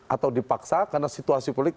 atau dipaksa karena situasi politik